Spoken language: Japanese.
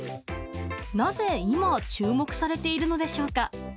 なぜ今注目されているのでしょうか。